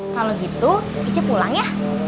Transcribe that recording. kalau gitu icip pulang ya